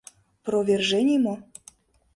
Провержений мо?